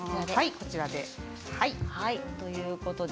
こちらで。